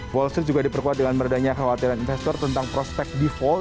wall street juga diperkuat dengan meredanya khawatiran investor tentang prospek default